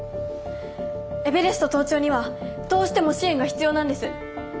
エベレスト登頂にはどうしても支援が必要なんです。